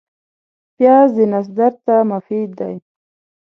پیاز د نس درد ته مفید دی